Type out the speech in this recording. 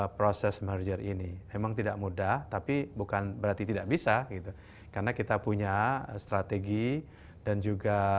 proses merger ini memang tidak mudah tapi bukan berarti tidak bisa gitu karena kita punya strategi dan juga